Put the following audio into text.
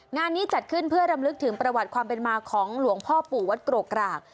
งานนี้จัดขึ้นเพื่อรำลึกถึงประวัติความเป็นมาของหลวงพ่อปู่วัดกรกกราก